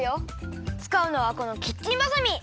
つかうのはこのキッチンバサミ！